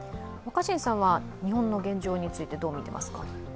日本の現状について、どう見ていますか？